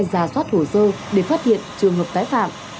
giả soát hồ sơ để phát hiện trường hợp tái phạm